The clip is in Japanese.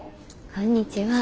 こんにちは。